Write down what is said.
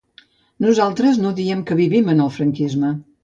Nosaltres no diem que vivim en el franquisme.